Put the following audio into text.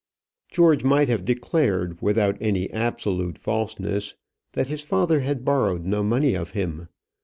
George might have declared, without any absolute falseness, that his father had borrowed no money of him.